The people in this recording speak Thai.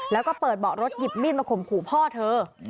แล้วก็เปิดเบาะรถหยิบมีดมาข่มขู่พ่อเธอ